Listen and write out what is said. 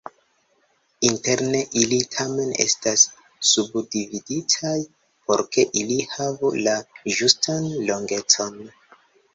Interne ili tamen estas subdividitaj, por ke ili havu la ĝustan longecon.